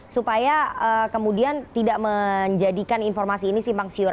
supaya kemudian tidak menjadikan informasi ini simpang siur